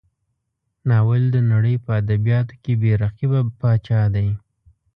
ناول د نړۍ په ادبیاتو کې بې رقیبه پاچا دی.